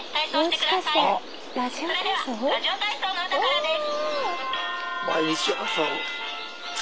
それでは『ラジオ体操の歌』からです」。